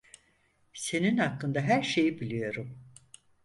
Senin hakkında her şeyi biliyorum.